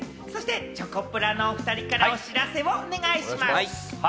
チョコプラのおふたりからお知らせをお願いします。